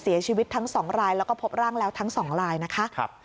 เสียชีวิตทั้งสองรายแล้วก็พบร่างแล้วทั้งสองรายนะคะ